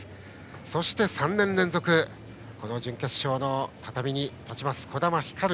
そして、３年連続で準決勝の畳に立ちます児玉ひかる。